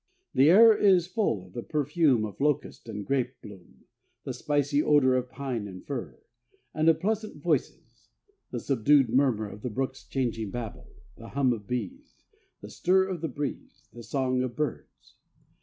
The air is full of the perfume of locust and grape bloom, the spicy odor of pine and fir, and of pleasant voices the subdued murmur of the brook's changing babble, the hum of bees, the stir of the breeze, the songs of birds.